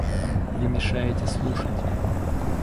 Вы мешаете слушать.